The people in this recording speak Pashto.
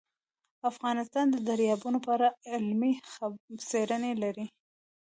افغانستان د دریابونه په اړه علمي څېړنې لري.